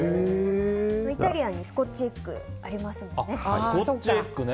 イタリアンにスコッチエッグありますもんね。